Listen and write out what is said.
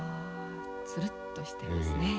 つるっとしてますね。